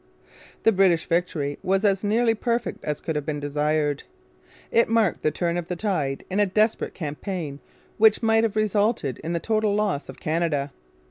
The British victory was as nearly perfect as could have been desired. It marked the turn of the tide in a desperate campaign which might have resulted in the total loss of Canada.